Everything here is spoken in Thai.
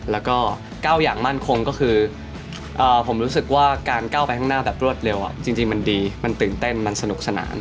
แล้วก็๙อย่างมั่นคงก็คือผมรู้สึกว่าการก้าวไปข้างหน้าแบบรวดเร็วจริงมันดีมันตื่นเต้นมันสนุกสนาน